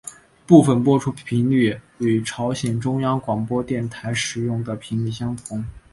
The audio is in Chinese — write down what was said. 部分播出频率与朝鲜中央广播电台使用的频率相同。